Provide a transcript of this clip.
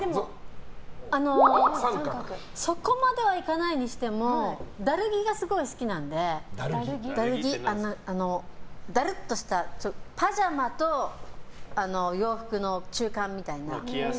そこまではいかないにしてもダル着がすごい好きなのでダルっとしたパジャマと洋服の中間みたいな。